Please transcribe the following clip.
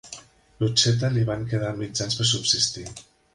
Lucetta li van quedar mitjans per subsistir.